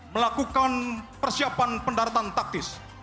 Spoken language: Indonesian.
melakukan persiapan pendaratan taktis